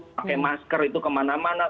pakai masker kemana mana